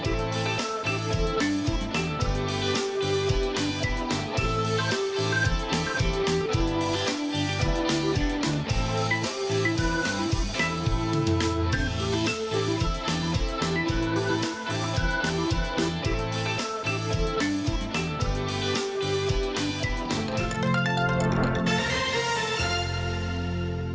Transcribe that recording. สวัสดี